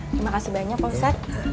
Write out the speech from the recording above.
terima kasih banyak pak ustadz